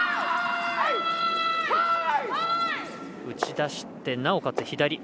打ち出して、なおかつ左。